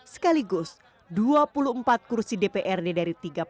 sekaligus dua puluh empat kursi dprd dari tiga puluh